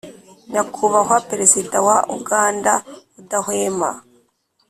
nyakubahwa perezida wa uganda adahwema